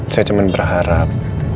saya cuman berharap